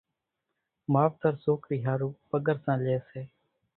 ماوتر سوڪرِي ۿارُو پڳرسان لئي سي،